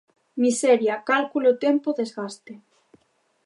Miseria, cálculo, tempo, desgaste.